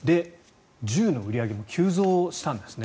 銃の売り上げも急増したんですね。